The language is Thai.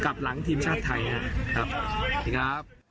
กลับหลังทีมชาติไทยครับ